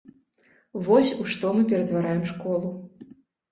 Вось у што мы ператвараем школу.